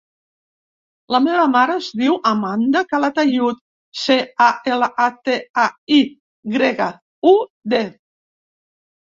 La meva mare es diu Amanda Calatayud: ce, a, ela, a, te, a, i grega, u, de.